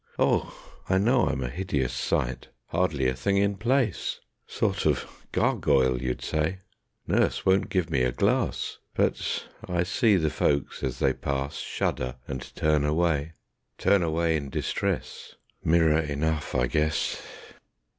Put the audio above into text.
Oh I know I'm a hideous sight, Hardly a thing in place; Sort of gargoyle, you'd say. Nurse won't give me a glass, But I see the folks as they pass Shudder and turn away; Turn away in distress ... Mirror enough, I guess.